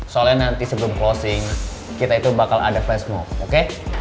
soalnya nanti sebelum closing kita itu bakal ada flash mob oke